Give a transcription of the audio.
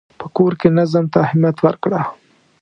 په کور کې نظم ته اهمیت ورکړه.